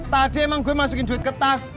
tadi emang gue masukin duit ke tas